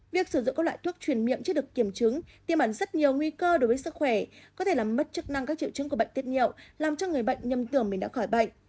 việc sử dụng các loại thuốc truyền miệng chưa được kiểm chứng tiêm ẩn rất nhiều nguy cơ đối với sức khỏe có thể làm mất chức năng các triệu chứng của bệnh tiết nhiệu làm cho người bệnh nhầm tưởng mình đã khỏi bệnh